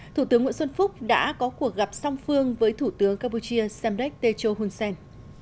thủ tướng nguyễn xuân phúc đã có cuộc gặp song phương với thủ tướng campuchia semdek techo hunsen